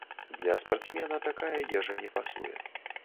Для спартсмена такая ежа не пасуе.